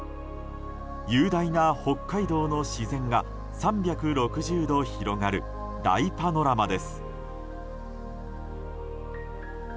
雄大な北海道の自然が３６０度広がる大パノラマです。